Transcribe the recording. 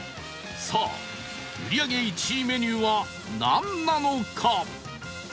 さあ売り上げ１位メニューはなんなのか？